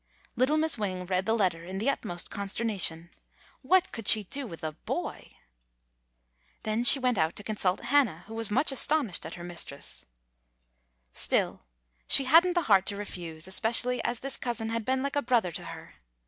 '^ Little Miss Wing read the letter in the ut most consternation. What could she do with a boy! Then she went out to consult Hannah, who was as much astonished as her mistress. Still she had n't the heart to refuse, espe cially as this cousin had been like a brother to her.